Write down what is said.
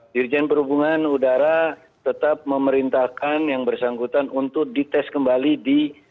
dirjen perhubungan udara tetap memerintahkan yang bersangkutan untuk dites kembali di